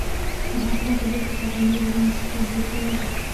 د افغانستان طبیعت له پابندی غرونه څخه جوړ شوی دی.